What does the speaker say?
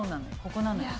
ここなのよ。